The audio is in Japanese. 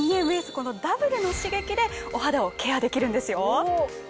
このダブルの刺激でお肌をケアできるんですよ。